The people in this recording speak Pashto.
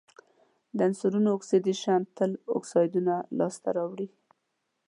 د عنصرونو اکسیدیشن تل اکسایدونه لاسته راوړي.